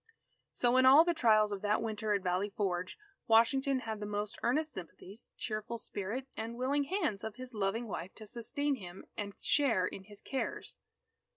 So in all the trials of that Winter at Valley Forge, Washington had the most earnest sympathies, cheerful spirit, and willing hands of his loving wife to sustain him and share in his cares.